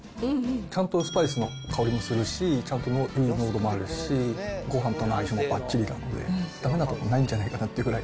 ちゃんとスパイスの香りもするし、ちゃんとルーの濃度もあるし、ごはんとの相性もばっちりなので、だめなところないんじゃないかなっていうぐらい。